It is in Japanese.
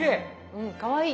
うんかわいい。